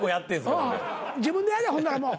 自分でやれほんならもう。